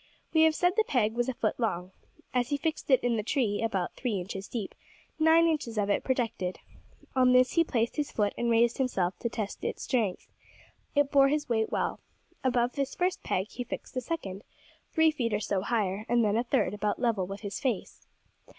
We have said the peg was a foot long. As he fixed it in the tree about three inches deep, nine inches of it projected. On this he placed his foot and raised himself to test its strength. It bore his weight well. Above this first peg he fixed a second, three feet or so higher, and then a third about level with his face.